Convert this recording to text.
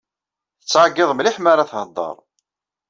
Tettɛeyyiḍ mliḥ mara thedder.